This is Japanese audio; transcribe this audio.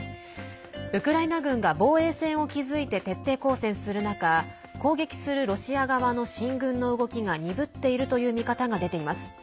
ウクライナ軍が防衛線を築いて徹底抗戦する中攻撃するロシア側の進軍の動きが鈍っているという見方が出ています。